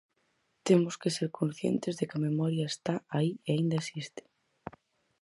Temos que ser conscientes de que a memoria está aí e aínda existe.